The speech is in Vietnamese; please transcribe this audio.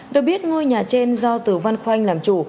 được biết ngôi nhà trên do tử văn khoanh làm chủ